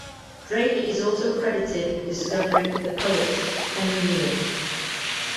Drake is also credited with discovering the poet Henry Neele.